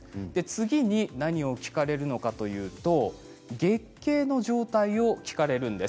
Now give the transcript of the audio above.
次に何を聞かれるのかといいますと月経の状態を聞かれます。